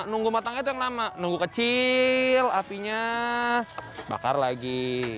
nunggu matangnya itu yang lama nunggu kecil apinya bakar lagi